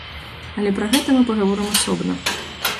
Але пра гэта мы пагаворым асобна.